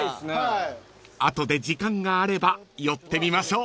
［後で時間があれば寄ってみましょう］